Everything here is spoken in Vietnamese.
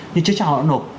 nhưng chưa cho họ nộp